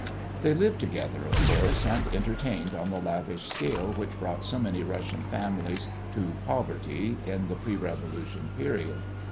They lived together, of course, and entertained on the lavish scale which brought so many Russian families to poverty in the pre revolution period.